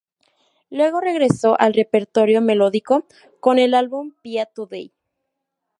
Luego regresó al repertorio melódico con el álbum "Pia Today!